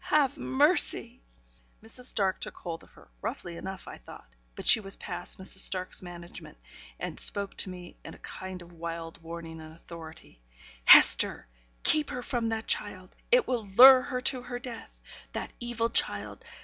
Have mercy!' Mrs. Stark took hold of her; roughly enough, I thought; but she was past Mrs. Stark's management, and spoke to me, in a kind of wild warning and authority. 'Hester! keep her from that child! It will lure her to her death! That evil child!